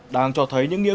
đang cho thấy những khó khăn